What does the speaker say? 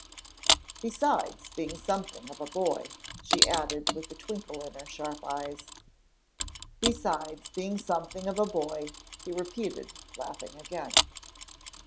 "Besides being something of a boy," she added, with a twinkle in her sharp eyes. "Besides being something of a boy," he repeated, laughing again.